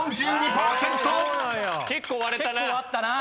結構割ったな。